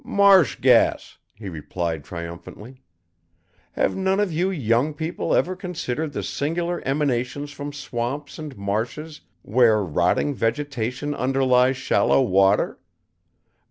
"Marsh gas," he replied triumphantly. "Have none of you young people ever considered the singular emanations from swamps and marshes where rotting vegetation underlies shallow water?